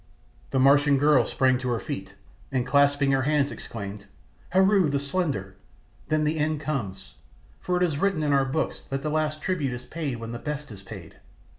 The Martian girl sprang to her feet, and clasping her hands exclaimed, "Heru, the Slender! Then the end comes, for it is written in our books that the last tribute is paid when the best is paid.